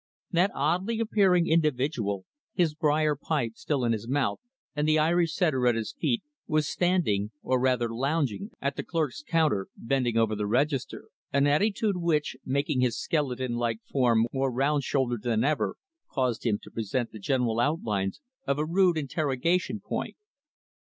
That oddly appearing individual, his brier pipe still in his mouth and the Irish Setter at his feet, was standing or rather lounging at the clerk's counter, bending over the register; an attitude which making his skeleton like form more round shouldered than ever caused him to present the general outlines of a rude interrogation point.